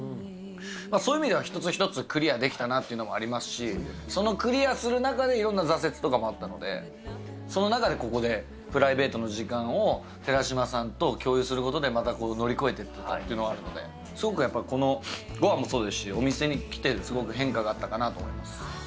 そういう意味では一つ一つクリアできたなというのもありますし、そのクリアする中で、いろんな挫折とかもあったので、その中でここで、プライベートの時間を寺島さんと共有することで、また乗り越えていったというのがあるので、すごくやっぱりこのごはんもそうですし、お店に来てすごく変化があったかなと思います。